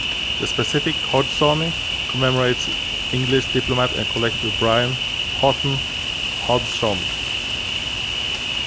The specific "hodgsoni" commemorates English diplomat and collector Brian Houghton Hodgson.